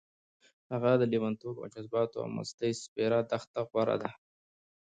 هغه د لېونتوب او جذباتو او مستۍ سپېره دښته غوره ده.